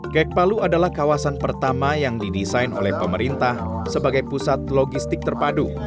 kek palu adalah kawasan pertama yang didesain oleh pemerintah sebagai pusat logistik terpadu